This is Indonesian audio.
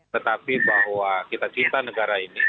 tetapi bahwa kita cinta negara ini